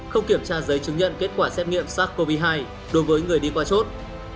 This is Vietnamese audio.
không kiểm tra giấy chứng nhận kết quả xét nghiệm sars cov hai đối với người đi qua chốt